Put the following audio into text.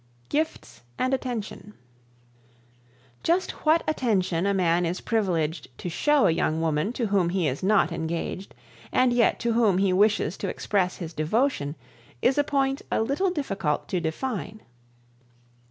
Gifts and Attention. Just what attention a man is privileged to show a young woman to whom he is not engaged, and yet to whom he wishes to express his devotion, is a point a little difficult to define.